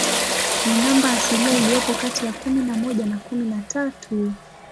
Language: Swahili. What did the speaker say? Ni namba asilia iliyopo kati ya kumi na moja na kumi na tatu.